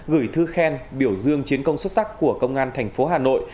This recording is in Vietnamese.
gửi thư khen biểu dương chiến công xuất sắc của công an thành phố hà nội